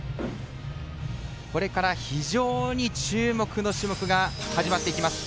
これから非常に注目の種目が始まっていきます。